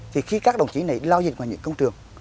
thì khi các đồng chí này giao dịch vào những công trường